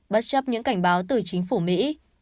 bất chấp những cảnh báo từ chính phủ mỹ